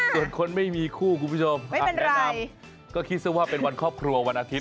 ส่วนคนไม่มีคู่คุณผู้ชมแนะนำก็คิดซะว่าเป็นวันครอบครัววันอาทิตย